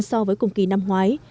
so với cùng kỳ năm ngoái